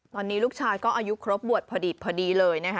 ตอนนี้ลูกชายก็อายุครบบวชพอดีพอดีเลยนะคะ